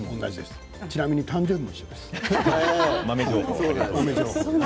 ちなみに誕生日も一緒です。